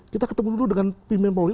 kita ketemu dulu dengan pimpinan polri